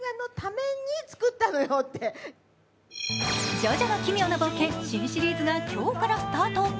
「ジョジョの奇妙な冒険」新シリーズが今日からスタート。